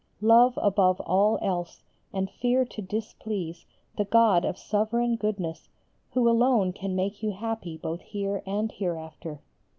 Love above all else, and fear to displease, the God of sovereign goodness who alone can make you happy both here and hereafter.